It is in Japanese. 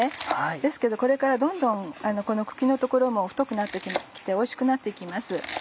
ですけどこれからどんどんこの茎の所も太くなって来ておいしくなって来ます。